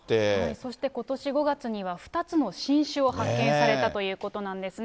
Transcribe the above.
そしてことし５月には、２つの新種を発見されたということなんですね。